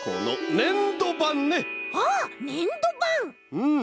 うん。